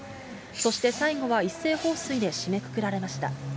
そして最後は一斉放水で締めくくられました。